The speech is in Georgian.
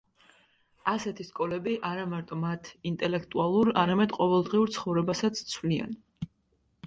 ასეთი სკოლები არამარტო მათ ინტელექტუალურ, არამედ ყოველდღიურ ცხოვრებასაც ცვლიან.